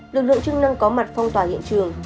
lực lượng chức năng có mặt phong tỏa hiện trường